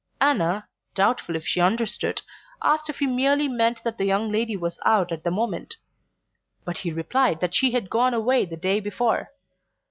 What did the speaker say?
Anna, doubtful if she understood, asked if he merely meant that the young lady was out at the moment; but he replied that she had gone away the day before.